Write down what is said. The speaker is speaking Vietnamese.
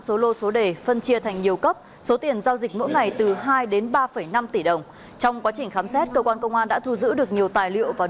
số lô số đề phân chia thành nhiều cấp